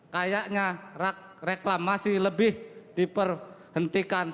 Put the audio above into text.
kayaknya reklamasi lebih diperhentikan